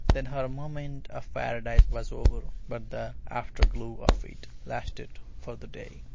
Then her moment of Paradise was over; but the afterglow of it lasted for the day.